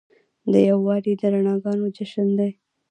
دیوالي د رڼاګانو جشن دی.